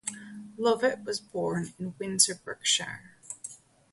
Lovett was born in Windsor, Berkshire.